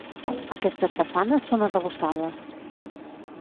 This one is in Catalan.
Aquestes façanes són arrebossades.